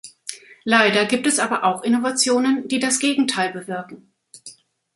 Leider gibt es aber auch Innovationen, die das Gegenteil bewirken.